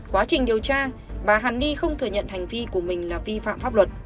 quá trình điều tra bà hàn ni không thừa nhận hành vi của mình là vi phạm pháp luật